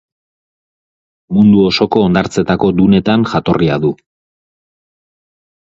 Mundu osoko hondartzetako dunetan jatorria du.